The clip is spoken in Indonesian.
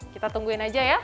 kita tungguin aja ya